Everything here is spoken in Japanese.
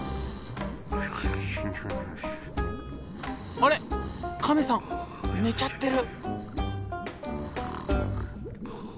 あれ亀さん寝ちゃってる。